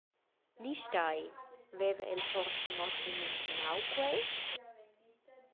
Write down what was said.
Ni stai, veva el forsa mo s’imaginau quei?